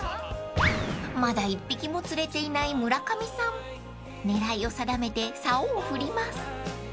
［まだ１匹も釣れていない村上さん狙いを定めてさおを振ります］